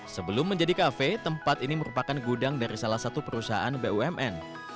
sebelum menjadi kafe tempat ini merupakan gudang dari salah satu perusahaan bumn